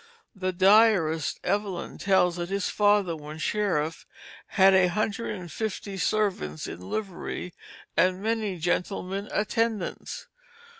The diarist Evelyn tells that his father when sheriff had a hundred and fifty servants in livery, and many gentleman attendants.